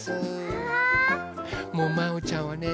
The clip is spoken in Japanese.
もうまおちゃんはね